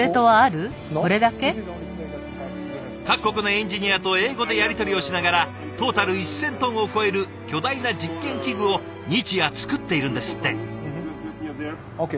各国のエンジニアと英語でやり取りをしながらトータル１，０００トンを超える巨大な実験器具を日夜作っているんですって。ＯＫ。